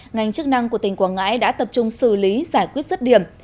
ngành chức năng của tỉnh quảng ngãi đã tập trung xử lý giải quyết rứt điểm